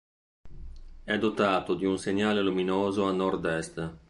È dotato di un segnale luminoso a nord-est.